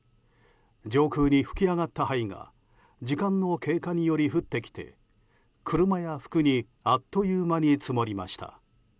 上空に噴き上がった灰が時間の経過により降ってきて車や服にあっという間に積もりました。